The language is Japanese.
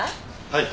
はい。